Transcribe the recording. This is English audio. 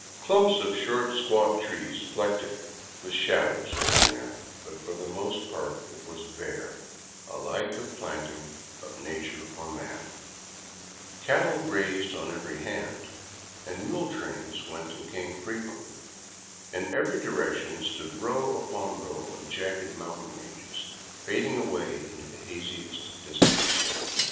Clumps of short, squat trees flecked it with shadows here and there, but for the most part it was bare alike 52 FROM BOGOTA OVER THE QUINDIO of the planting of nature or man. Cattle grazed on every hand, and mule trains went and came frequently. In every direction stood row upon row of jagged mountain ranges, fading away into the haziest distance.